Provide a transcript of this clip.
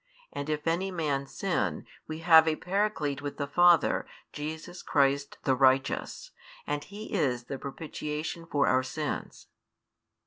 And if any man sin, we have a Paraclete with the Father, Jesus Christ the righteous: and He is the propitiation for our sins.